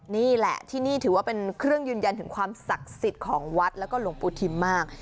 นี่แหละที่นี่ถือว่าเป็นเครื่องยืนยันถึงความศักดิ์สิทธิ์ของวัดแล้วก็หลวงปู่ทิมมาก